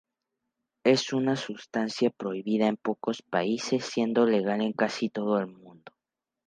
Es una sustancia prohibida en pocos países, siendo legal en casi todo el mundo.